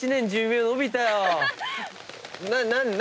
何？